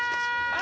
あ！